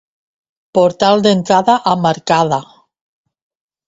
Portal d'entrada amb arcada.